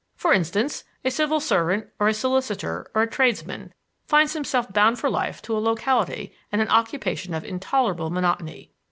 For instance, a civil servant or a solicitor or a tradesman finds himself bound for life to a locality and an occupation of intolerable monotony.